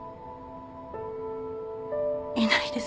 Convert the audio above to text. いないです。